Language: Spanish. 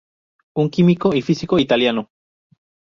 Un químico y físico italiano.